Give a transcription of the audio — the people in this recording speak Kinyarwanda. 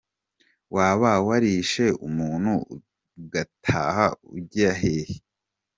Waba warishe umuntu ugataha ujya he ?